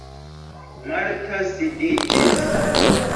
Marta sidiĝis.